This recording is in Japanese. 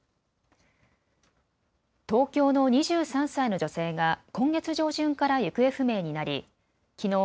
東京の２３歳の女性が今月上旬から行方不明になりきのう